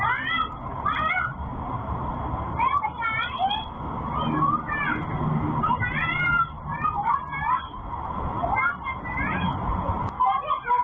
อันนี้ยังยังยังงานงาน